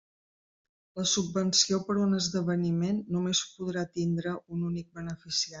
La subvenció per a un esdeveniment només podrà tindre un únic beneficiari.